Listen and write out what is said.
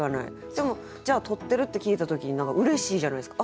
でもじゃあ「取ってる」って聞いた時に何かうれしいじゃないですか。